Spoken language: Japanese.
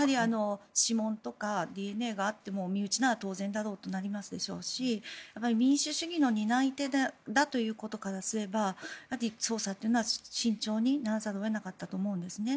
指紋とかＤＮＡがあっても身内なら当然だろうとなるでしょうし民主主義の担い手だということからすれば捜査というのは慎重にならざるを得なかったと思うんですね。